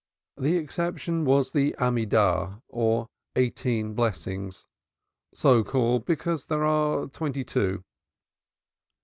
The exception was the Amidah or eighteen Blessings, so called because there are twenty two.